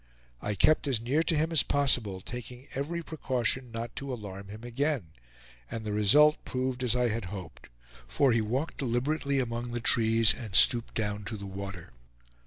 I kept as near to him as possible, taking every precaution not to alarm him again; and the result proved as I had hoped: for he walked deliberately among the trees, and stooped down to the water.